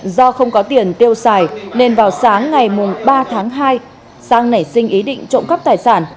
do không có tiền tiêu xài nên vào sáng ngày ba tháng hai sang nảy sinh ý định trộm cắp tài sản